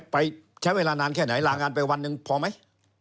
ไปใช้เวลานานแค่ไหนลางานไปวันหนึ่งพอไหม